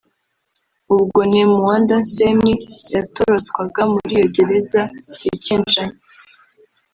ubwo Ne Muanda Nsemi yatorotswaga muri iyo gereza i Kinshasa